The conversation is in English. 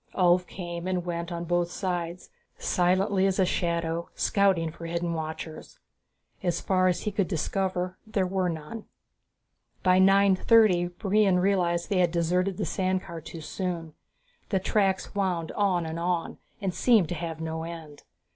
Ulv came and went on both sides, silently as a shadow, scouting for hidden watchers. As far as he could discover there were none. By nine thirty Brion realized they had deserted the sand car too soon. The tracks wound on and on, and seemed to have no end.